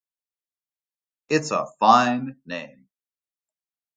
It’s a fine name.